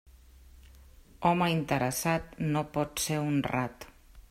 Home interessat, no pot ser honrat.